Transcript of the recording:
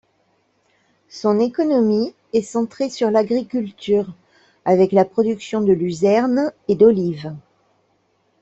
Son économie est centrée sur l'agriculture, avec la production de luzerne et d'olives.